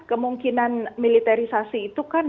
kemungkinan militerisasi itu kan